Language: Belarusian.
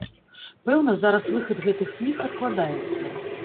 Пэўна, зараз выхад гэтых кніг адкладаецца.